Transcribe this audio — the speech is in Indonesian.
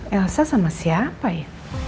elsa sama siapa ya